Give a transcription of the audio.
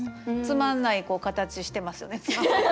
つまんない形してますよね。